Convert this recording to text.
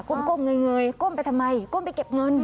้มเงยก้มไปทำไมก้มไปเก็บเงิน